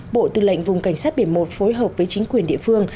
bộ tư lệnh vùng cảnh sát biển một phối hợp với chính quyền địa phương